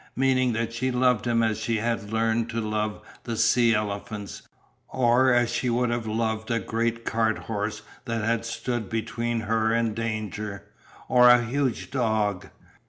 Meaning that she loved him as she had learned to love the sea elephants, or as she would have loved a great carthorse that had stood between her and danger, or a huge dog.